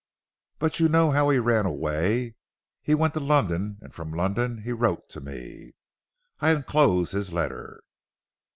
But you know how he ran away. He went to London, and from London he wrote to me. I enclose his letter.